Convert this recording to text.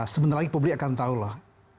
sebenarnya publik akan tahu loh